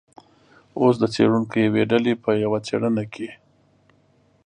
اوس د څیړونکو یوې ډلې په یوه څیړنه کې